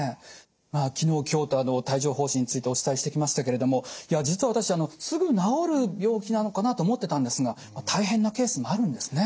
まあ昨日今日と帯状ほう疹についてお伝えしてきましたけれども実は私すぐ治る病気なのかなと思ってたんですが大変なケースもあるんですね。